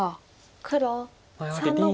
黒３の五。